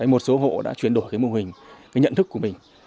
một số hộ đã chuyển đổi mô hình nhận thức của mình